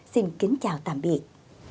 xin kính chào tạm biệt